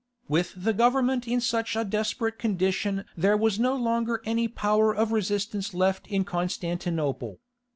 With the government in such a desperate condition there was no longer any power of resistance left in Constantinople.